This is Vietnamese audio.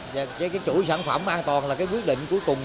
và cái chuỗi sản phẩm an toàn là cái quyết định cuối cùng